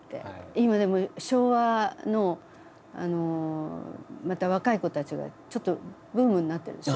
今でも昭和のあのまた若い子たちがちょっとブームになってるでしょ？